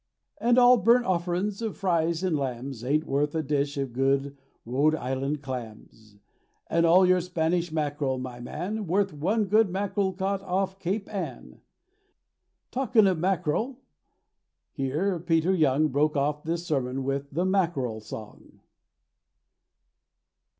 And all burnt offerins of fries of lambs Ain't worth a dish of good Rhode Island clams; And all your Spanish mackerel, my man, Worth one good mackerel caught off Cape Ann!" "Talkin' of mackerel"—Here Peter Young Broke off this sermon with the "Mackerel Song."